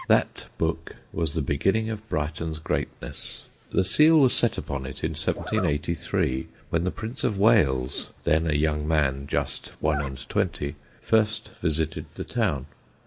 That book was the beginning of Brighton's greatness. The seal was set upon it in 1783, when the Prince of Wales, then a young man just one and twenty, first visited the town.